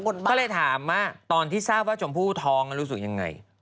ก็เลยถามว่าตอนที่ทราบว่าชมพู่ท้องแล้วรู้สึกยังไง